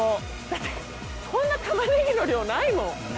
だってこんなたまねぎの量ないもん。